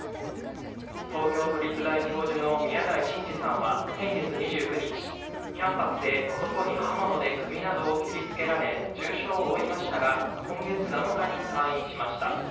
東京都立大教授の宮台真司さんは先月２９日、キャンパスで男に刃物で首などを切りつけられ重傷を負いましたが、今月７日に退院しました。